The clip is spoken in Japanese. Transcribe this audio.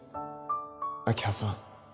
明葉さん